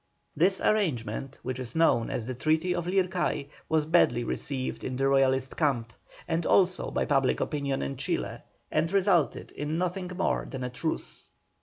This arrangement, which is known as the Treaty of Lircay, was badly received in the Royalist camp, and also by public opinion in Chile, and resulted in nothing more than a truce.